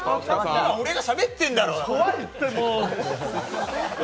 今、俺がしゃべってんだろ！！